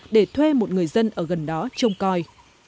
để thuê một người dân ở gần đó trông coi